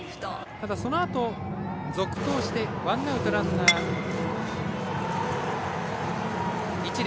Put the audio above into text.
ただそのあと、続投してワンアウト、ランナー、一塁。